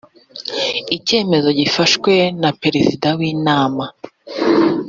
icyemezo gifashwe na perezida w’inama